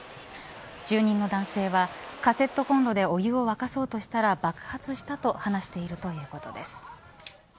住人の男性はカセットコンロでお湯を沸かそうとしたら爆発したと話しているということです。